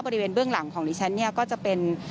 ประดิเวณเบื้องหลังของนี้ก็จะเป็น